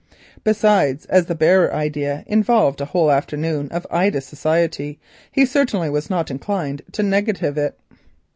Besides, as the loader idea involved a whole afternoon of Ida's society he certainly was not inclined to negative it.